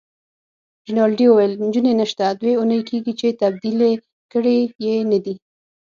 رینالډي وویل: نجونې نشته، دوې اونۍ کیږي چي تبدیلي کړي يې نه دي.